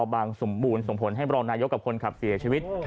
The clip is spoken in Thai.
บางสมบูรณ์ส่งผลให้รองนายกกับคนขับเสียชีวิต